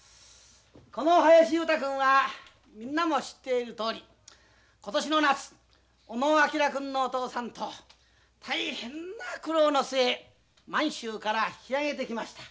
この林雄太君はみんなも知っているとおり今年の夏小野昭君のお父さんと大変な苦労のすえ満州から引き揚げてきました。